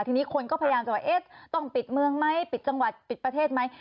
ทีนี้คนก็พยายามจะว่าต้องปิดเมืองไหมปิดจังหวัดปิดประเทศไหม